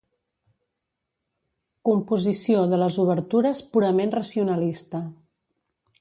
Composició de les obertures purament racionalista.